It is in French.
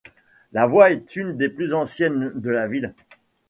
La voie est une des plus anciennes de la ville.